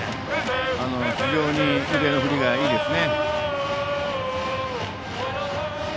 非常に腕の振りがいいです。